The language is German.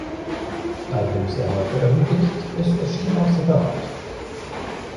Albums" erneut veröffentlicht, es erschien auch separat.